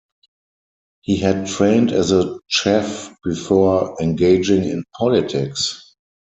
He had trained as a chef before engaging in politics.